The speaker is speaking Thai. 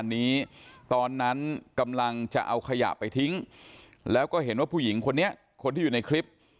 อันนี้ตอนนั้นกำลังจะเอาขยะไปทิ้งแล้วก็เห็นว่าผู้หญิงคนนี้คนที่อยู่ในคลิป